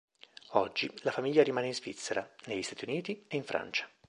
Oggi, la famiglia rimane in Svizzera, negli Stati Uniti e in Francia.